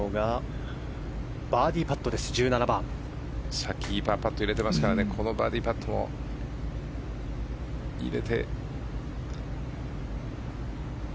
さっき、いいパーパットを入れていますからこのバーディーパットも入れて。